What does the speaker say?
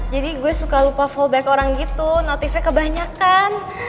jadi gue suka lupa fallback orang gitu notifikasi kebanyakan